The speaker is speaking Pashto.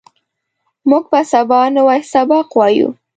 موږ به سبا نوی سبق وایو